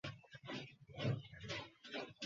আমি কি তোমাকে নিজের সুখের জন্য বিবাহ করিতে বলিয়াছিলাম।